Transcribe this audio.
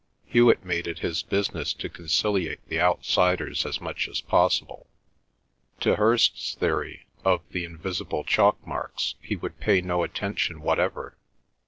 Hewet made it his business to conciliate the outsiders as much as possible. To Hirst's theory of the invisible chalk marks he would pay no attention whatever.